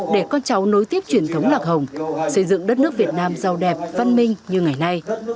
để con cháu nối tiếp truyền thống lạc hồng xây dựng đất nước việt nam giàu đẹp văn minh như ngày nay